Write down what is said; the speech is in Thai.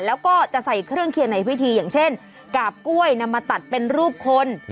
แล้วก็จะใส่เครื่องเคียงในพิธีอย่างเช่นกาบกล้วยนำมาตัดเป็นรูปคน